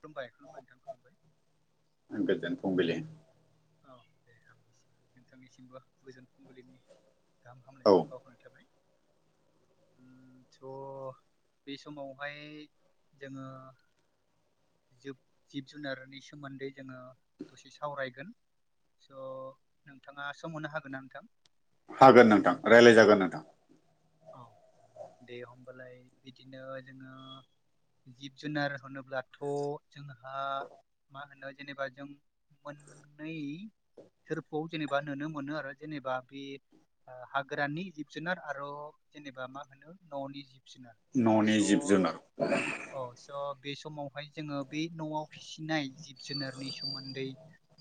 खुलुमबाय खुलुमबाय नोंथां खुलुमबाय। गोजोन फुंबिलि औ दे हामबायसै नोंथांनिसिमबो गोजोन फुंबिलिनि गाहाम औ हामलायनायखौ बावहरनाय थाबाय। उम स' बे समावहाय जोङो जिब जिब जुनारनि सोमोन्दै जोङो दसे सावरायगोन। स' नोंथाङा सम होनो हागोन ना नोंथां? हागोन नोंथां रायज्लायजागोन नोंथां। औ दे होनबालाय बिदिनो जोङो जिब जुनार होनोब्लाथ' जोंहा मा होनो जेनेबा जों‌ मोननै फोरखौ जेनेबा नुनो मोनो आरो जेनेबा बे ओ हाग्रानि जिब जुनार आर जेनेबा मा होनो न'नि जिब जुनार स' न'नि औ जिब जुनार औ स' बे समावहाय जोङो बे न'आव फिसिनाय जिब जुनारनि सोमोन्दै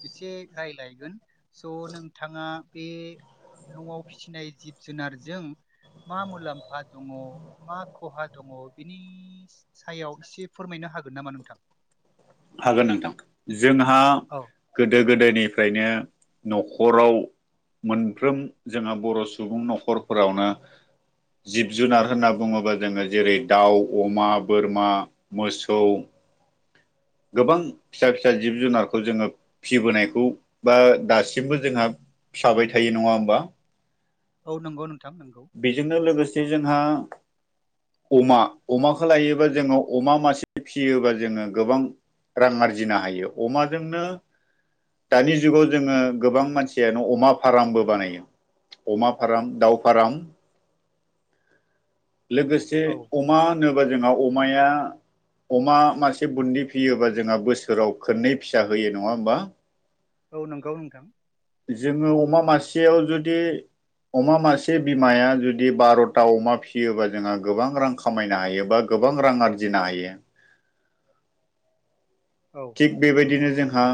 एसे रायजलायगोन स' नोंथाङा बे न'आव फिसिनाय जिब जुनारजों मा मुलाम्फा दङ मा खहा दङ बिनि सायाव एसे फोरमायनो हागोन नामा नोंथां? हागोन नोंथां जोंहा औ गोदो गोदोनिफ्रायनो न'खराव मोनफ्रोम जोंहा बर' सुबुं न'खरफोरावनो जिब जुनार होनना बुङोबा जोङो जेरै दाउ अमा बोरमा मोसौ [inaudible] गोबां फिसा फिसा जिब जुनारखौ जोङो फिसिबोनायखौ बा दासिमबो जोंहा थाबाय थायो नङा होमबा। औ नंगौ नों बेजोंनो लोगोसे जोंहा अमा अमाखौ लायोबा जोङो अमा मासे फिसियोबा जोङो गोबां रां आरजिनो हायो अमाजोंनो दानि जुगाव जोङो गोबां मानसियानो अमा फार्मबो बानायो। अमा फाराम दाउ फाराम लोगोसे औ अमा होनोब्ला जोंहा अमाया अमा मासे बुन्दि फियोबा जोंहा बोसोराव खोननै फिसा होयो नङा होमबा? औ नंगौ नोंथां। जोङो अमा मासेयाव जुदि अमा मासे बिमाया जुदि बार'था अमा फियोबा जोंहा गोबां रां खामायनो हायोबा गोबां रां आरजिनो हायो। [inaudible] औ थिग बेबायदिनो जोंहा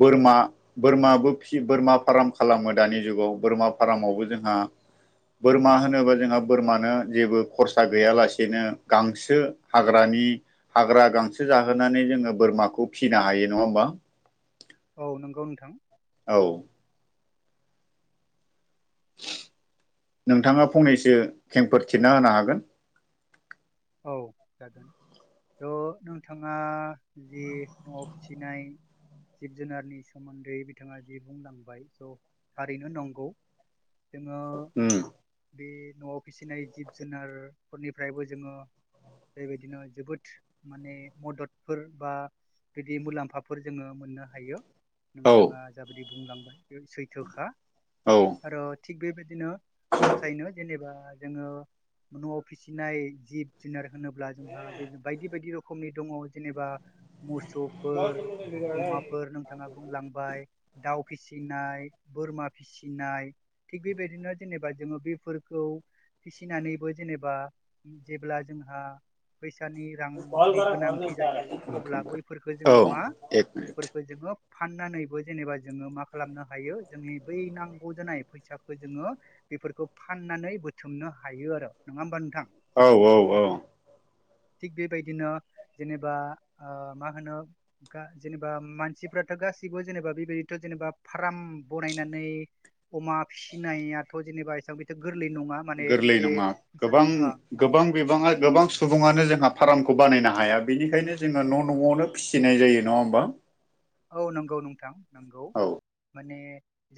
बोरमा बोरमाबो फि बोरमा फार्म खालामो दानि जुगाव बोरमा फार्मावबो जोंहा आ बोरमा होनोबा जोंहा बोरमानो जेबो खरसा गैयालासेनो गांसो हाग्रा नि हाग्रा गांसो जाहोनानै जोङो बोरमाखौ फिसिनो हायो नङा होमबा? औ नंगौ नोंथां। औ। नोंथाङा फंनैसो खेंफोरथिना होनो हागोन। औ जागोन। थ' नोंथाङा जि न'आव फिसिनाय जिब जुनारनि सोमोन्दै बिथाङा जि बुंलांबाय स' थारैनो नंगौ। जोङो उम बे न'आव फिसिनाय जिब जुनारफोरनिफ्रायबो जोङो बेबायदिनो जोबोद माने मददफोर बा बिदि मुलाम्फाफोर जोङो मोननो हायो। नोंथाङा जाबायदि बुंलांबाय बे सैथोखा आरो थिग बेबायदिनो फसायनो जेनेबा जोङो न'आव फिसिनाय जिब जुनार होनोब्ला जोंहा बे बायदि बायदि रोखोमनि दङ जेनेबा मोसौफोर अमाफोर नोंथाङा बुंलांबाय दाउ फिसिनाय बोरमा फिसिनाय थिग बेबायदिनो जेनेबा जोङो बेफोरखौ फिसिनानैबो जेनेबा जेब्ला जोंहा फैस फिसानि रांनि गोनांथि औ जायो अब्ला बैफोरफोरखो जोङो औ औ मा एक मिनिट बैफोरफोरखो जोङो फाननानैबो जेनेबा जोङो मा खालामनो हायो जोंनि बै नांगौ जानाय फैसाखौ जोङो बेफोरखौ फाननानै बोथोमनो हायो आरो नङा ओमबा नोंथां? औ औ औ [inaudible] थिग बेबायदिनो जेनेबा ओ मा होनो जेनेबा मानसिफ्राथ' गास गासिबो जेनेबा बेबायदिथ' जेनेबा फार्म बनायनानै अमा फिसिनायाथ' जेनेबा [unintelligible] गोरलै नङा माने गोरलै एसे नङा गोबां [unintelligible] गोबां बिबाङा गोबां सुबुङानो जोंहा फारामखौ बानायनो हाया बेनिखायनो जोङो न' न'आवनो फिसिनाय जायो नङा ओमबा? औ नोंगौ नोंथां नोंगौ माने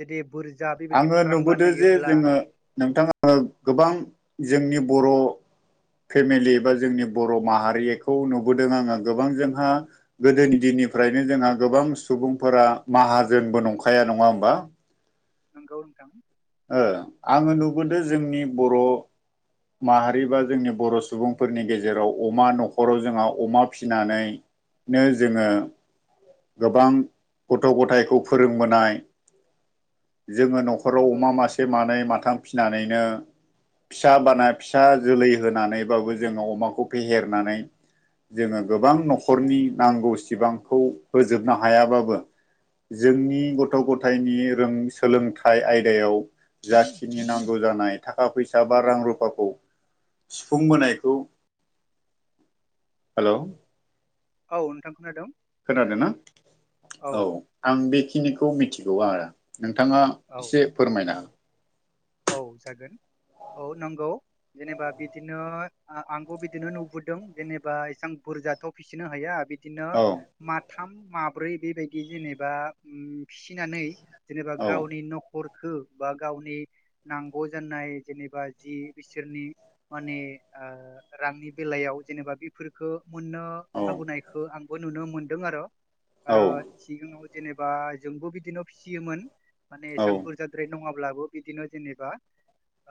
जुदि बुरजा बेबायदि आङो फार्म नुबोदों जे बानायोब्ला जोङो नोंथाङा गोबां जोंनि बर' फेमिलि बा जोंनि बर' माहारिखौ नुबोदों आङो गोबां जोंहा गोदोनि दिन निफ्रायनो जोंहा गोबां सुबुंफोरा माहाजोनबो नंखाया नङा ओमबा? नोंगौ नोंथां। ओ आङो नुबोदों जोंनि बर' माहारि बा जोंनि बर' सुबुंफोरनि गेजेराव अमा न'खराव जोंहा अमा फिसिनानै नो जोङो गोबां गथ' गथायखौ फोरोंबोनाय जोङो न'ख खराव औ अमा मासे मानै माथाम फिसिनानैनो फिसा बाना फिसा जोलै होनानैबाबो जोङो अमाखौ फेहेरनानै जोङो गोबां न'खरनि नांगौ सिबांखौ होजोबनो हायाबाबो जोंनि गथ' गथायनि रों सोलोंथाइ आयदायाव जाखिनि नांगौ जानाय थाखा फैसा बा रां रु गावखौ सुफुंबोनायखौ हेलौ औ नोंथां खोनादों। खोनादों ना औ आं बेखिनिखौ मिथिगौ आरो नोंथाङा औ एसे फोरमायना औ जागोन औ नोंगौ जेनेबा बिदिनो आंबो बिदिनो नुबोदों जेनेबा इसां बु बुरजाथ फिसिनो हाया बे बिदिनो औ माथाम माब्रै बेबायदि जेनेबा फिसिनानै जेनेबा औ गावनि न'खरखौ बा गावनि नांगौ जानाय जेनेबा जि बिसोरनि माने रांनि बेलायाव जेनेबा बेफोरखौ मोननो औ हाबोनायखौ आंबो नुनो मोनदों आरो औ आरो सिगाङाव जेनेबा जोंबो बिदिनो फिसियोमोन माने औ एसां बुरजाद्राय नङाब्लाबो बिदिनो दिनिबा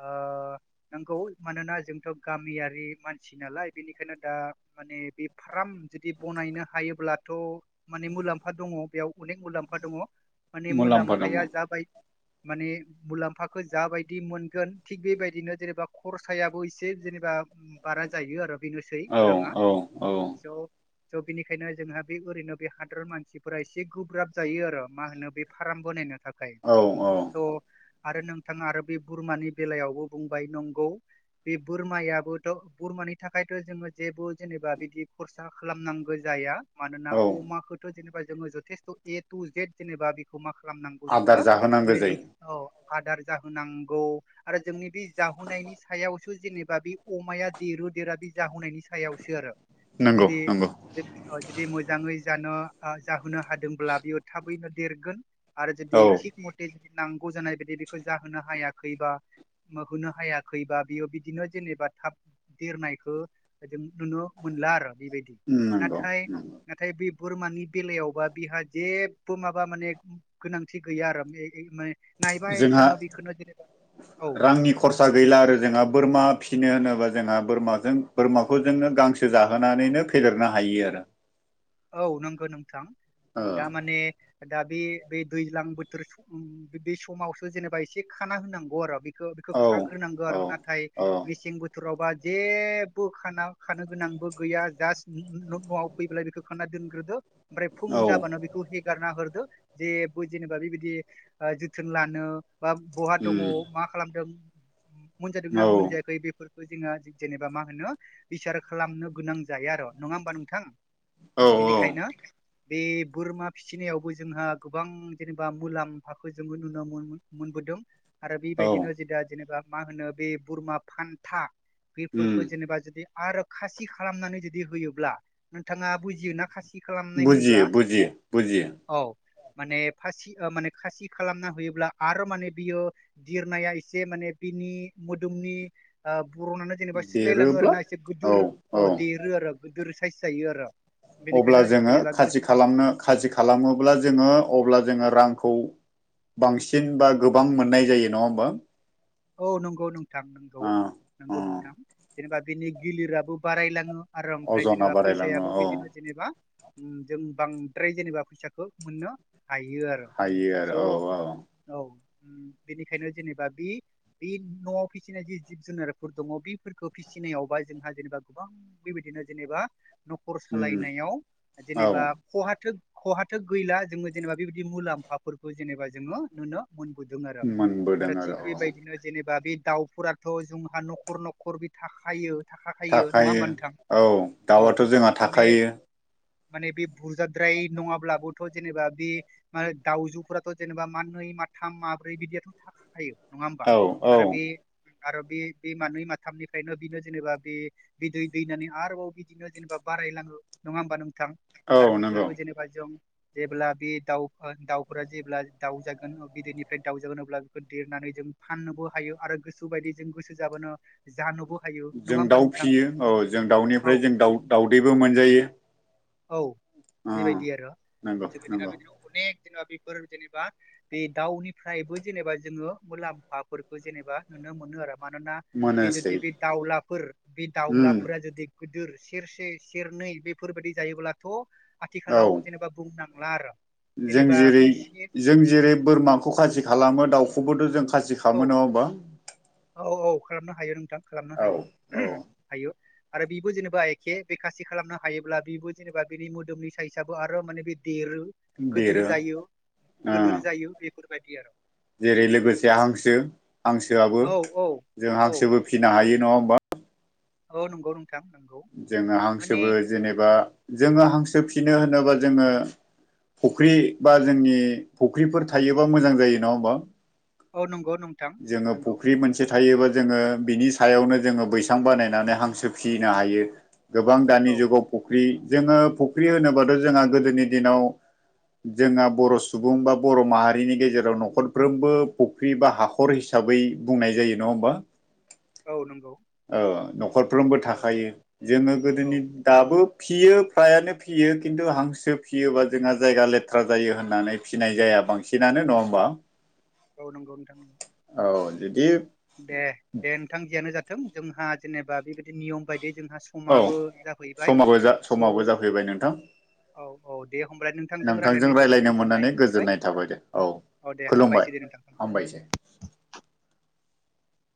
ओ नंगौ मानोना जोंथ गामियारि मानसि नालाय बेनिखायनो दा माने बे फाराम जुदि बनायनो हायोब्लाथ माने मुलाम्फा दङ बेयाव अनेक मुलाम्फ फा दङ माने मुलाम्फा दङ मुलाम्फाया औ जाबाय मानि मुलाम फाखो जाबायदि मोनगोन थिग बेबायदिनो जेनेबा खरसायाबो एसे जेनेबा बारा जायो आरो बेनोसै औ खोराङा औ स स बिनिखायनो जोंहा बे ओरैनो बे खादरन मानसिफोरा एसे गोब्राब जायो आरो मा होनो बे फाराम बनायनो। थाखाय औ थ आरो नोंथाङा आरो बे बुरमानि बेलायावबो बुंबाय नंगौ बे बोरमायाबोथ बु मानि थाखायथ जोङो जेबो जेनेबा बिदि खरसा खालामनांगो जाया मानोना औ अमाखौथ जेनेबा जोङो जथेस्थ ए टु जेद जेनेबा बेखौ मा खालामनांगौ आदार जोङो जाहोनांगौ माने जायो जों अ आदार जाहोनांगौ आरो जोंनि बे जाहुनायनि सायावसो जेनेबा बे अमाया देर गोन देरा बे जाहुनायनि सायावसो आरो। नंगौ जुदि नंगौ जुदि अ मोजाङै जानो ओ ज हुनो हादोंब्ला बियो थाबैनो देरगोन आरो जदि औ थिग मते नांगौ जानाय बे बे बेखौ जाहोनो हायाखैबा होनो हायाखैबा बेयो बिदिनो जेनेबा थाब देरनायखौ जों नुनो मोनला आरो बेबायदि नंगौ नाथाय नाथाय बे बोरमानि बेलायावबा बिहा जेबो माबा माने गोनांथि गैया आरो माने नायबाय जोंहा थानो बेखौनो जेनेबा औ रांनि खरसा गैला आरो जेनबा बोरमा फिसिनो‌ होनोबा जोंहा बोरमा जों बोरमाखौ जोङो गांसो जाहोनानैनो फेदेरनो हायो आरो औ नोंगो नोंथां दा माने दा बे बे दैज्लां बोथोर बीदि समावसो जेनेबा एसे खाना होनांगौ आरो बे खौ बिखौ ओ खाग्रोनांगो औ आरो नाथाय औ मिसें बोथो रावबा जेबो खाना खानो गोनांबो गैया जास नआव फैब्ला बेखो खाना दोनग्रोदो ओमफ्राय फुं औ जाबानो बेखौ हेगारना होरदो जेबो जेनेबा बेबायदि ओ जोथोन लानो बा बहा दङ उम मा खालामदों? मोनजादोंना औ मोनजायाखै बेफोर खो जोङो जेनेबा मा होनो बिसार खालामनो गोनां जायो आरो नङा होमबा नोंथां? औ औ बेनिखायनो बे बोरमा फिसिनायावबो जोंहा गोबां जेनेबा मुलाम्फाखौ जोंङो नुनो मोन मोनबोदों ‌। आरो औ बेबायदिनो [unintelligible] जेनेबा मा होनो बे बोरमा फान्था उम बेफोरखौ जेनेबा जुदि आरो खासि खालामनानै जुदि होयोब्ला नोंथाङा बुजियोना खासि खालामनाय बुजियो होनोब्ला बुजियो बुजियो औ माने फासि ओ माने खासि खालामना होयोब्ला आरो माने बियो दिरनाया एसे माने इनि मोदोमनि ओब बरनानो जेनेबा सोलायलाङो आर देरोब्ला ना एसे औ गोदोर औ ओ देरो आरो गिदिर साइस जायो आरो अब्ला बेनिखायनो जोङो जेनेबा खासि गोदो खालामना खासि खालामोब्ला जोङो अब्ला जोङो रां खौ बांसिन बा गोबां मोननाय जायो नङा होमबा? औ नंगौ नोंथां नंगौ ओ ओ नंगौ नोंथां जेनेबा बिनि गिलिराबो बारायलाङो आरो ओमफ्राय अजना जेनेबा बारायलाङो फैसायाबो औ बिदिनो जेनेबा जों बांद्राय जेनेबा फैसाखो मोननो हायो आरो हायो स आरो औ औ औ बेनिखायनो जेनेबा बे बि नआव फिसिनाय जि जिब जुनारफोर दङ बिफोरखौ फिसिनायावबा जोंहा जेनेबा गोबां बेबायदि बिदिनो जेनेबा नखर उम सालायनायाव औ जेनेबा खहाथो खहाथो गैला जोङो जेनेबा बेबायदि मुलाम्फाफोरखौ जेनेबा जोङो नुनो मोनबोदों आरो मोनबोदों आरो थिग औ बेबायदिनो एबा बे दाउफोराथ जोंहा नखर नखर बे थाखायो। थाखाखायो नङा थाखायो होमबा नोंथां औ औ दाउआथ जोंहा माने थाखायो। माने बे बुरजाद्राय नङाब्लाबोथ' जेनेबा बे मा दाउजुफोराथ' जेनेबा मा होन नै माथाम माब्रै बिदियाथ' थाखाखायो नङा ओम औ औ आरो बे मानै माथामनिफ्रायनो बिनो जेनेबा बे दै दैनानै आरोबाव बिदिनो जेनेबा बा पायलाङो नङा होमबा नोंथां औ आरो नंगौ बिफोरखो जेनेबा जों जेब्ला बे दाउ दाउफोरा जेब्ला दाउजागोन बिदैनिफ्राय दाउजागोन अब्ला बेखौ देरनानै जों फाननोबो हायो आरो गोसो बायदि जों गोसो जाबानो जानोबो हायो नङा जों होमबा दाउ नोंथां फिसियो औ जों दाउनिफ्राय औ जों दाउ दाउदैबो मोनजायो औ ओ बेबायदि आरो नंगौ जोंनि दिना नंगौ बिदिनो अनेक जेनेबा बेफोर जेनेबा बे दाउनिफ्रायबो जेनेबा जोङो मुलाम फाफोरखौ जेनेबा नुनो मोनो आरो। मानोना बे मोनोसै जुदि बे दावलाफोर बे उम दाउलाफोरा जुदि गोदोर सेरसे सेरनै बेफोरबायदि जायोब्लाथ' औ आथिखालाव जेनेबा बुंनांला आरो जों जेनेबा जेरै बे से जों जेरै बोरमाखौ खासि खालामो दाउखौबोथ' खाजि औ खालामामो नङा होमबा। औ औ खालामनो हायो नोंथां खालामनो औ हायो औ हायो। आरो बिबो जेनेबा एखे बेखासि खालामनो हायोब्ला बिबो जेनेबा बिनि मोदोमनि साइसआबो आरो माने बे देरो गोदोर देरो जायो ओ गोलोर जायो बेफोरबायदि आरो जेरै लोगोसे हांसो हांसोआबो औ औ जों हांसोबो फिसिनो हायो नङा होमबा ओ नंगौ नों जोङो हांसोबो जेनेबा जोङो हांसो फिनो होनोबा जोङो फुख्रि बा जोंनि फुख्रिफोर थायोबा मोजां जायो नङा होमबा औ नं जोङो फुख्रि मोनसे थायोबा जोङो बिनि सायावनो जोङो बैसां बानायनानै हांसो फिनो हायो। गोबां दानि औ जुगाव फुख्रि जोङो फुख्रि होनोबाथ' जोंहा गोदोनि दिनाव जोंहा बर' सुबुं बा बर' माहारिनि गेजेराव न'खरफ्रोमबो फुख्रि बा हा खहर हिसाबै बुंनाय जायो नङा होमबा औ नंगौ। ओ नख'रफ्रोमबो औ थाखायो जोङो औ गोदोनि दाबो फियो फ्रायानो फियो खिन्थु हांसो फियोबा जोंहा जायगा लेथ्रा जायो होननानै फिसिनाय जाया बांसिनानो नङा होमबा? औ नंगौ नोंथां नंगौ। औ जुदि दे दे नोंथां जियानो जाथों जोंहा जेनेबा बेबायदि नियम बायदि जोंहा औ समाबो जाहैबाय समाबो जा स' समाबो जाफैबाय नोंथां। औ औ दे होमब्लाय नोंथांजों रायज्लायनो जोबोद रायलायनो गोजोननाय मोननानै मोनबाय गोजोननाय थाबाय दे औ दे खुलुमबाय हामबायसै दे नोंथां हामबायसै [inaudible]